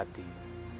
beliau bernama soka